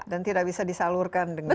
dan tidak bisa disalurkan dengan